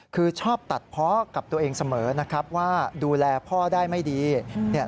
คือชอบตัดเพาะกับตัวเองเสมอนะครับว่าดูแลพ่อได้ไม่ดีเนี่ย